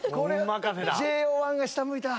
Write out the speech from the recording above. ＪＯ１が下向いた。